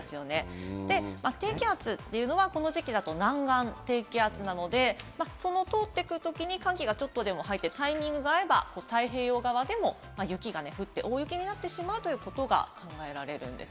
なので低気圧というのは、この時期だと南岸低気圧なので、その通って行くときに寒気がちょっとでも入って、タイミングが合えば、太平洋側でも雪が降って大雪になってしまうということが考えられるんです。